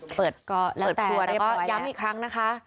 เปิดทัวร์แล้วก็ย้ำอีกครั้งนะคะ